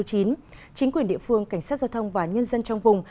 chính quyền địa phương cảnh sát giao thông và nhân dân trong vùng